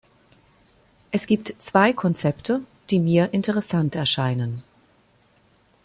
Es gibt zwei Konzepte, die mir interessant erscheinen.